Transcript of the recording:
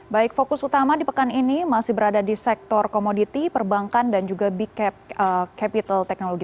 baik fokus utama di pekan ini masih berada di sektor komoditi perbankan dan juga big capital technology